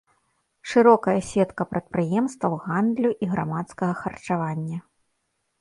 Шырокая сетка прадпрыемстваў гандлю і грамадскага харчавання.